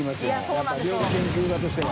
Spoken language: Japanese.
やっぱ料理研究家としては。